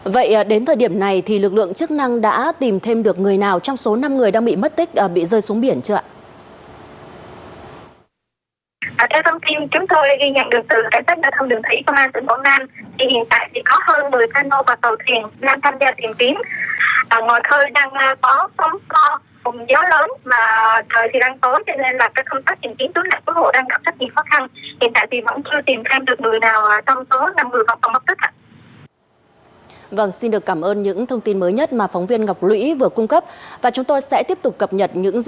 vậy đến thời điểm này thì lực lượng chức năng đã tìm thêm được người nào trong số năm người đang bị mất tích bị rơi xuống biển chưa ạ